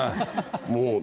もう。